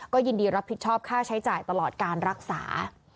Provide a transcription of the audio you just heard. ก็ยินดีรับผิดชอบค่าใช้จ่ายตลอดการรักษา